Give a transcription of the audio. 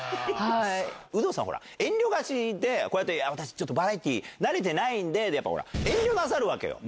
有働さん、ほら、遠慮がちで、こうやって私、ちょっとバラエティー慣れてないんでって、やっぱほら、遠慮なさるわけよ。